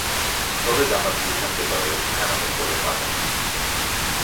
სწორედ ამ ადგილზე მდებარეობს თანამედროვე ყაზანი.